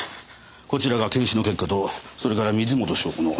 こちらが検視の結果とそれから水元湘子の私物です。